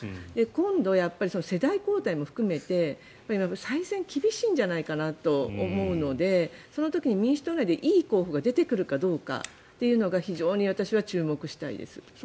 今度、世代交代も含めて再選、厳しいんじゃないかなと思うのでその時に民主党内でいい候補が出てくるかどうかが非常に私は注目したいです。